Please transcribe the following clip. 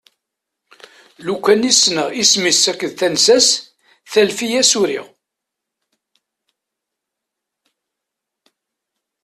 Lufan i ssneɣ isem-is akked tensa-s, talfi i as-uriɣ.